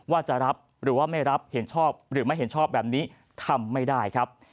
ว่าจะรับหรือว่าไม่รับเห็นชอบหรือไม่เห็นชอบแบบนี้ทำไม่ได้ครับ